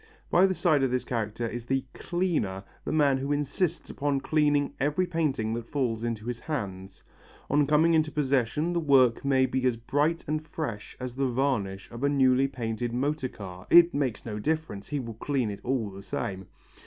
By the side of this character is the "cleaner," the man who insists upon cleaning every painting that falls into his hands. On coming into his possession the work may be as bright and fresh as the varnish of a newly painted motor car, it makes no difference, he will clean it all the same.